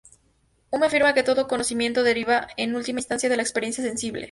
Hume afirma que todo conocimiento deriva, en última instancia, de la experiencia sensible.